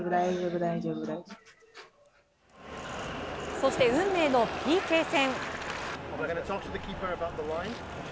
そして、運命のＰＫ戦。